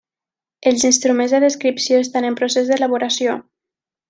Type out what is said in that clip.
Els instruments de descripció estan en procés d'elaboració.